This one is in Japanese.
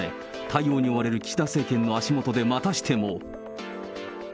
対応に追われる岸田政権の足元でまたしても。